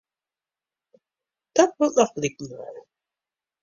Dat moat noch bliken dwaan.